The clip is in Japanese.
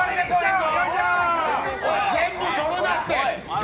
全部取るなって。